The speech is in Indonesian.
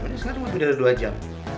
ini sekarang udah dua jam